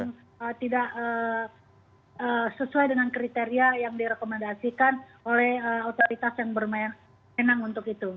yang tidak sesuai dengan kriteria yang direkomendasikan oleh otoritas yang bermain tenang untuk itu